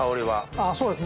あそうです